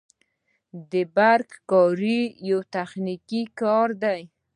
د برق کاري یو تخنیکي کار دی